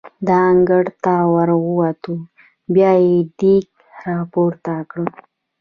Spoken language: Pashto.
د انګړ ته ور ووتو، بیا یې دېګ را پورته کړ.